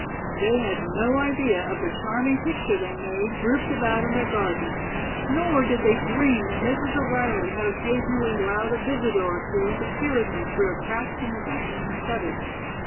They had no idea of the charming picture they made grouped about in their garden; nor did they dream that Mrs. O'Reilly had occasionally allowed a visitor or two to peer at them through a crack in the dining room shutters.